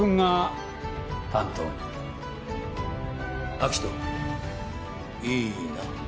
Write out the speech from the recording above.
明人いいな？